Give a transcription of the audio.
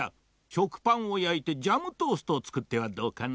しょくパンをやいてジャムトーストをつくってはどうかな？